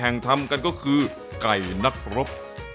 อาหารอย่างที่๓คือกไก่หนักรบ